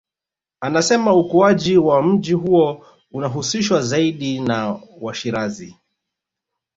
Anasema ukuaji wa mji huo unahusishwa zaidi na Washirazi